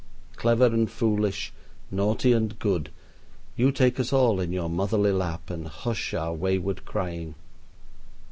Clever and foolish, naughty and good, you take us all in your motherly lap and hush our wayward crying.